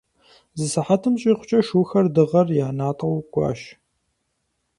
Зы сыхьэтым щӀигъукӀэ шухэр дыгъэр я натӀэу кӀуащ.